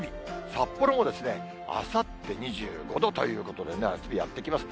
札幌もあさって２５度ということで、夏日やって来ます。